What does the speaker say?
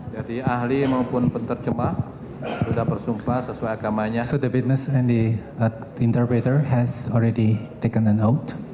jadi ahli maupun penterjemah sudah bersumpah sesuai agamanya